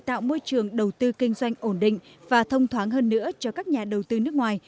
tạo môi trường đầu tư kinh doanh ổn định và thông thoáng hơn nữa cho các nhà đầu tư nước ngoài